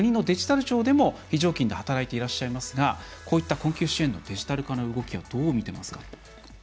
国のデジタル庁でも非常勤で働いてらっしゃいますが困窮支援のデジタル化の動きはどう見ていますか？